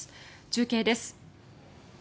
中継です。